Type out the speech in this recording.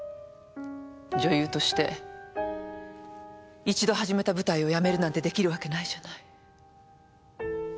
女優として一度始めた舞台をやめるなんてできるわけないじゃない。